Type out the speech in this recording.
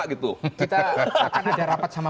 kita akan ada rapat sama